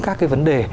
các cái vấn đề